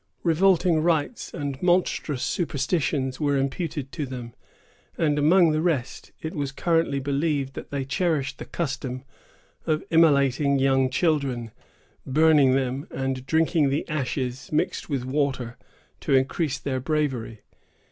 Revolting rites and monstrous superstitions were imputed to them; and, among the rest, it was currently believed that they cherished the custom of immolating young children, burning them, and drinking the ashes mixed with water to increase their bravery.